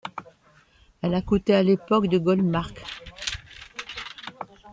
Elle a coûté à l'époque de Goldmark.